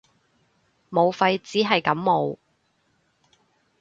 武肺只係感冒